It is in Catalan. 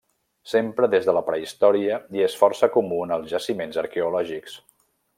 S'empra des de la prehistòria i és força comú en els jaciments arqueològics.